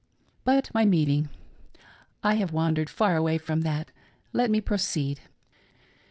But my meeting! I have wandered far away from that. Let me proceed.